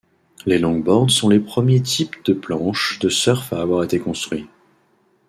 Les longboards sont les premiers types de planches de surf à avoir été construits.